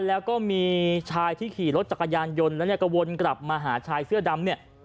แล้วก็มีชายที่ขี่รถจักรยานยนต์แล้วเนี่ยก็วนกลับมาหาชายเสื้อดำเนี่ย